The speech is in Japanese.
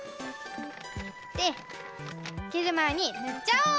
できるまえにぬっちゃおう！